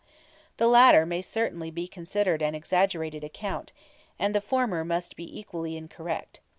The latter may certainly be considered an exaggerated account, and the former must be equally incorrect.